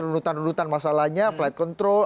runutan runutan masalahnya flight control